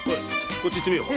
こっち行ってみよう。